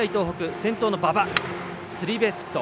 先頭の馬場、スリーベースヒット。